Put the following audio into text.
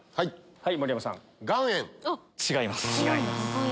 はい。